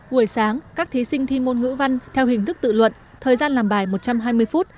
buổi sáng các thí sinh thi môn ngữ văn theo hình thức tự luận thời gian làm bài một trăm hai mươi phút